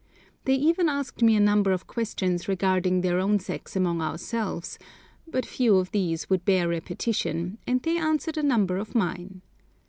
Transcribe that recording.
They even asked me a number of questions regarding their own sex among ourselves, but few of these would bear repetition, and they answered a number of mine.